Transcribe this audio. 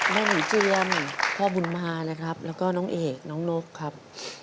หนูเจือมพ่อบุญมานะครับแล้วก็น้องเอกน้องนกครับ